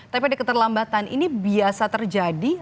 tapi ada keterlambatan ini biasa terjadi